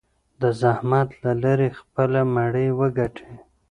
د زحمت له لارې خپله مړۍ وګټي.